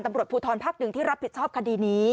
ตำรวจผู้ท้อนภาคหนึ่งที่รับผิดชอบคดีนี้